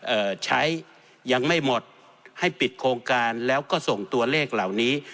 เอ่อใช้ยังไม่หมดให้ปิดโครงการแล้วก็ส่งตัวเลขเหล่านี้